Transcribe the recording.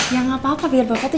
ya gapapa biar bapak tuh